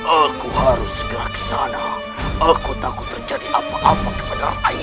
aku harus gerak sana aku takut terjadi apa apa kepada raya